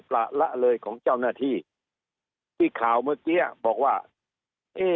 ละเลยของเจ้าหน้าที่ที่ข่าวเมื่อกี้บอกว่าเอ๊